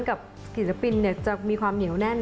กับศิลปินจะมีความเหนียวแน่น